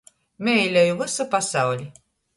Meiļoju vysu pasauli.